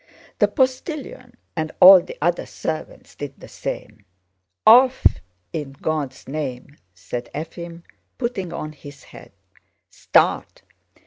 The postilion and all the other servants did the same. "Off, in God's name!" said Efím, putting on his hat. "Start!"